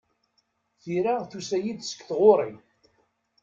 Tira tusa-yi-d seg tɣuri.